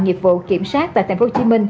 nghiệp vụ kiểm soát tại tp hcm